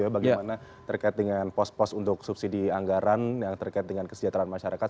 bagaimana terkait dengan pos pos untuk subsidi anggaran yang terkait dengan kesejahteraan masyarakat